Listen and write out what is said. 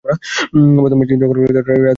প্রথমে বেইজিং দখল করে রাজধানী হিসাবে ঘোষণা করেন।